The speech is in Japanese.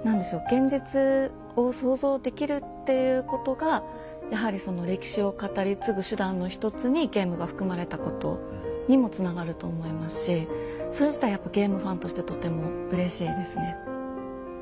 「現実を想像できる」っていうことがやはりその歴史を語り継ぐ手段の一つにゲームが含まれたことにもつながると思いますしそれ自体やっぱゲームファンとしてとてもうれしいですね。